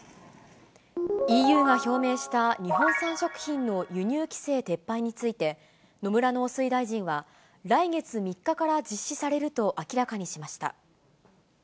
ＥＵが表明した日本産食品の輸入規制撤廃について、野村農水大臣は、来月３日から実施されると明らかにしました。